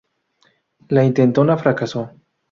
La intentona fracasó.